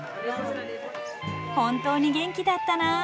本当に元気だったな。